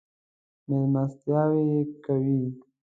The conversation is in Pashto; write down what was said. مېلمستیاوې یې کوي.